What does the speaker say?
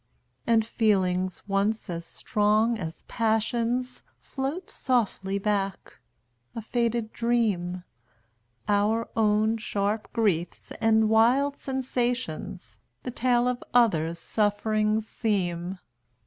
And feelings, once as strong as passions, Float softly back a faded dream; Our own sharp griefs and wild sensations, The tale of others' sufferings seem.